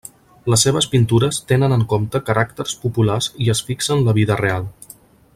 Les seves pintures tenen en compte caràcters populars i es fixen la vida real.